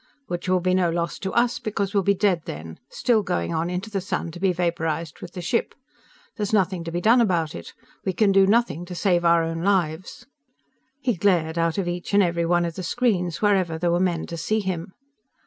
Which will be no loss to us because we'll be dead then, still going on into the sun to be vaporized with the ship. There is nothing to be done about it. We can do nothing to save our own lives!_" He glared out of each and every one of the screens, wherever there were men to see him.